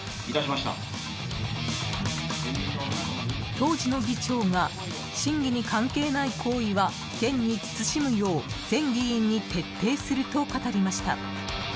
当時の議長が審議に関係ない行為は厳に慎むよう全議員に徹底すると語りました。